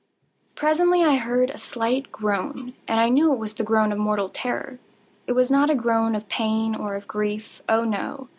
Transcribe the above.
Presently I heard a slight groan, and I knew it was the groan of mortal terror. It was not a groan of pain or of grief—oh, no!